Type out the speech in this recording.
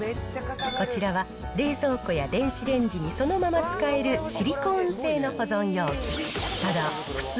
こちらは、冷蔵庫や電子レンジにそのまま使えるシリコーン製の保存容器。